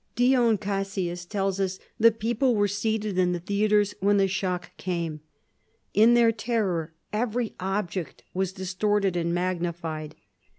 Dion Cassius tells us the people were seated in the theatres when the shock came. In their terror, every object was distorted and magnified.